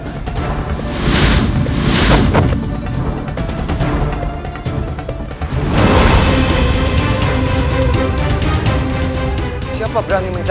baik sendiri saja